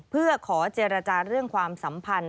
เพื่อขอเจรจาเรื่องความสัมพันธ์